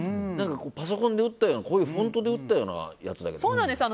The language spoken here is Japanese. パソコンで打ったようなこういうフォントで打ったようなやつだけど。